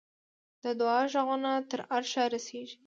د دعا ږغونه تر عرشه رسېږي.